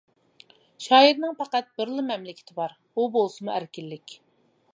شائىرنىڭ پەقەت بىرلا مەملىكىتى بار، ئۇ بولسىمۇ ئەركىنلىك.